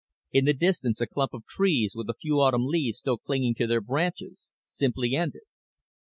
In the distance a clump of trees, with a few autumn leaves still clinging to their branches, simply ended.